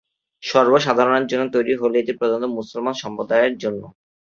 সর্ব সাধারণের জন্য তৈরি হলেও এটি প্রধানত মুসলমান সম্প্রদায়ের জন্য।